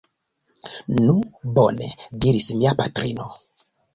Nu bone, diris mia patrino.